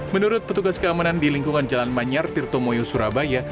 menurut petugas keamanan di lingkungan jalan manyar tirtomoyo surabaya